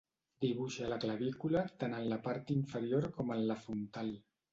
Dibuixa la clavícula tant en la part inferior com en la frontal.